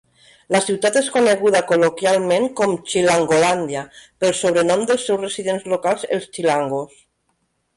La ciutat és coneguda col·loquialment com "Chilangolandia" pel sobrenom dels seus residents locals, els "chilangos".